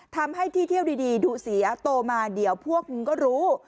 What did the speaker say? ทำให้ที่เที่ยวดีดูเสียโตมาเดี๋ยวพวกมึงก็รู้